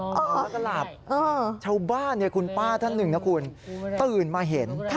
แล้วก็หลับชาวบ้านคุณป้าท่านหนึ่งนะคุณตื่นมาเห็น